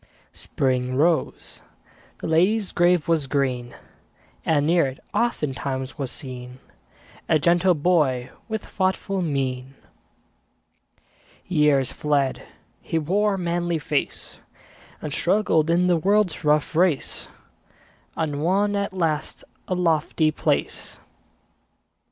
Spring rose; the lady's grave was green; And near it, oftentimes, was seen A gentle boy with thoughtful mien. Years fled; he wore a manly face, And struggled in the world's rough race, And won at last a lofty place.